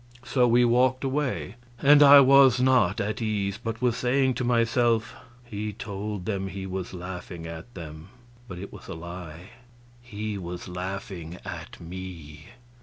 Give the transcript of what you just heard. So we walked away, and I was not at ease, but was saying to myself, "He told them he was laughing at them, but it was a lie he was laughing at me."